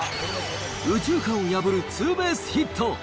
右中間を破るツーベースヒット。